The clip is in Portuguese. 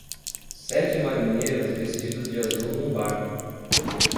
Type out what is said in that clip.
Sete marinheiros vestidos de azul num barco.